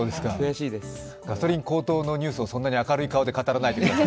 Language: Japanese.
ガソリン高騰のニュースをそんなに明るい顔で語らないでください。